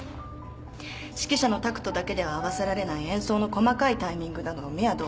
指揮者のタクトだけでは合わせられない演奏の細かいタイミングなどを目や動作で合図する。